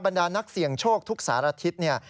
บรรดานักเสี่ยงโชคทุกสาระทิตย์